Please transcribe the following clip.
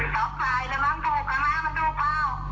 ชอบตายแล้วมั้งถูกขนาดมันถูกเปล่า